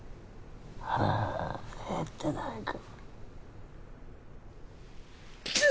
腹減ってないか？